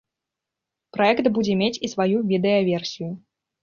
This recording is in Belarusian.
Праект будзе мець і сваю відэаверсію.